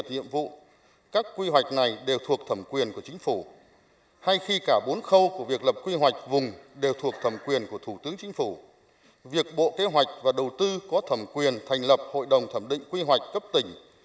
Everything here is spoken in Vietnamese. việc bộ kế hoạch và đầu tư có thẩm quyền thành lập hội đồng thẩm định quy hoạch cấp tỉnh